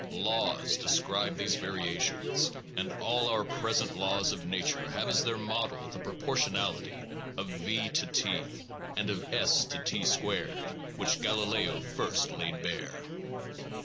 Laws de scribe these variations ; and all our present laws of nature have as their model the proportion ality of v to t, and of s to t 2 which Galileo first laid bare.